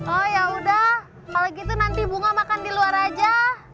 oh yaudah kalau gitu nanti bunga makan di luar aja